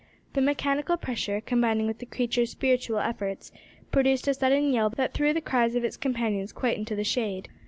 The mechanical pressure, combining with the creature's spiritual efforts, produced a sudden yell that threw the cries of its companions quite into the shade.